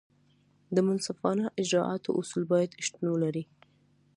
د منصفانه اجراآتو اصول باید شتون ولري.